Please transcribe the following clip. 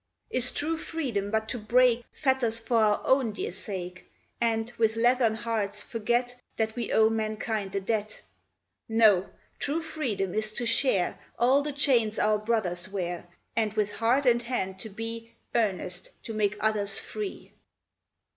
Is true Freedom but to break Fetters for our own dear sake, And, with leathern hearts, forget That we owe mankind a debt? No! true freedom is to share All the chains our brothers wear, And, with heart and hand, to be Earnest to make others free!